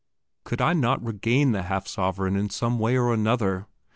Could I not regain the half sovereign in some way or another?